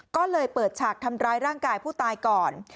ก็เลยเปิดฉากทำร้ายร่างกายผู้ตายก่อน